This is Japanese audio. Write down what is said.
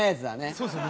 そうですよね。